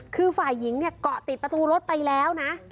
คือฝ่ายหญิงเนี่ยเกาะติดประตูรถไปแล้วนะ